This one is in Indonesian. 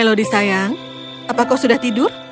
lodi sayang apa kau sudah tidur